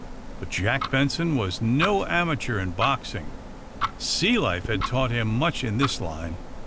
But Jack Benson was no ama teur in boxing. Sea life had taught him much in this line.